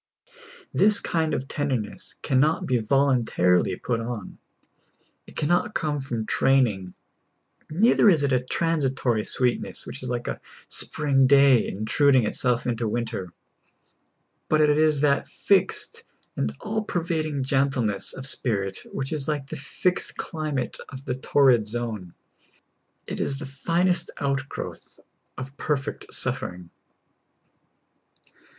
This kind of ten derness cannot be voluntarily put on ; it cannot come from training ; neither is it a transitory sweetness, THE BKNKFIT OF DEEP CRUCIFIXION. 43 which is Uke a spring day intruding itself into winter ; but it is that fixed and all pervading gentleness of spirit which is like the fixed climate of the Torrid zone. It is the finest outgrowth of perfect suffering.